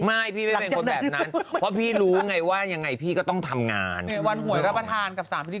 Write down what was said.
ไม่พี่ไม่เป็นคนแบบนั้น